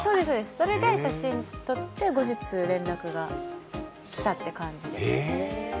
それで写真撮って、後日連絡が来たって感じです。